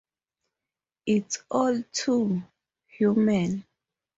It's all too... human.